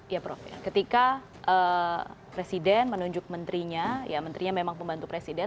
ya prof ya ketika presiden menunjuk menterinya ya menterinya memang pembantu presiden